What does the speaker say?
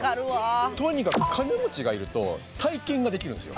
とにかく金持ちがいると体験ができるんですよ。